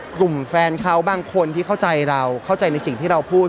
แฟนเขาบางคนที่เข้าใจเราเข้าใจในสิ่งที่เราพูด